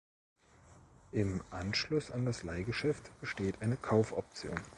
Im Anschluss an das Leihgeschäft besteht eine Kaufoption.